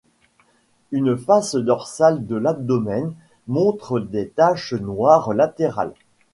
La face dorsale de l'abdomen montre des taches noires latérales.